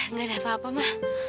nggak ada apa apa mah